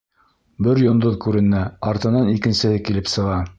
Бер йондоҙ күренә, артынан икенсеһе килеп сыға.